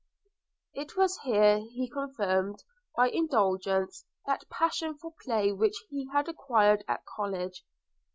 It was here he confirmed, by indulgence, that passion for play which he had acquired at college.